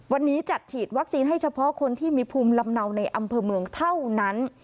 วันนี้จัดฉีดวัคซีนให้เฉพาะคนที่มีภูมิลำเนาในอำเภอเมืองเท่านั้น